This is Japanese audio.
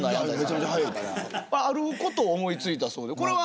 あることを思いついたそうでこれは？